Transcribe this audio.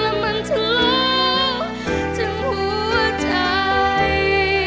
และมันทั้งร่วงทั้งหัวใจ